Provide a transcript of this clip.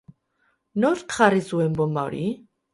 Nork jarri zuen bonba hori?